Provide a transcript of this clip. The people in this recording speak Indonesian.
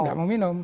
tidak mau minum